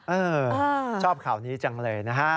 เออชอบข่าวนี้จังเลยนะฮะ